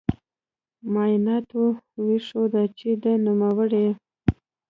معایناتو وښوده چې د نوموړې